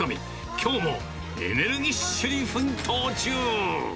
きょうもエネルギッシュに奮闘中。